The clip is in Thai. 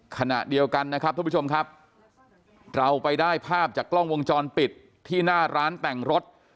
ขณะเดียวกันนะครับทุกผู้ชมครับเราไปได้ภาพจากกล้องวงจรปิดที่หน้าร้านแต่งรถ